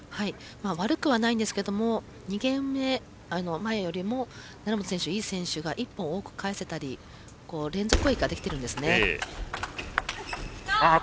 悪くはないんですけど２ゲーム前よりも成本選手、井選手が１本多く返せたり連続攻撃ができているんですね。